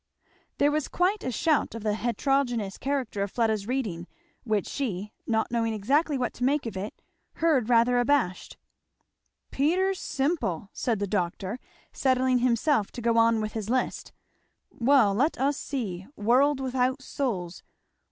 There was quite a shout at the heterogeneous character of Fleda's reading, which she, not knowing exactly what to make of it, heard rather abashed. "' Peter Simple'!" said the doctor, settling himself to go on with his list; "well, let us see. ' World without Souls.'